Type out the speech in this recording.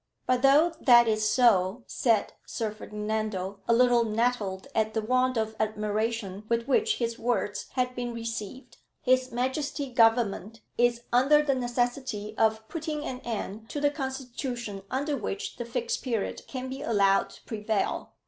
"But though that is so," said Sir Ferdinando, a little nettled at the want of admiration with which his words had been received, "H.M. Government is under the necessity of putting an end to the constitution under which the Fixed Period can be allowed to prevail.